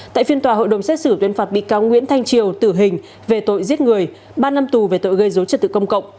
tại phiên tòa hội đồng xét xử tuyên phạt bị cáo nguyễn thanh triều tử hình về tội giết người ba năm tù về tội gây dối trật tự công cộng